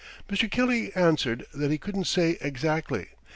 Mr. Kelly answered that he couldn't say exactly.